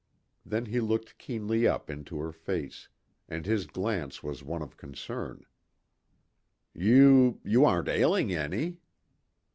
Then he looked keenly up into her face, and his glance was one of concern. "You you aren't ailing any?"